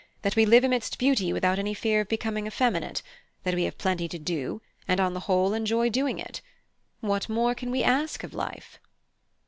That we live amidst beauty without any fear of becoming effeminate; that we have plenty to do, and on the whole enjoy doing it. What more can we ask of life?"